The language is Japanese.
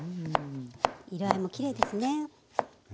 色合いもきれいですね。